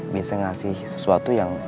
biasanya ngasih sesuatu yang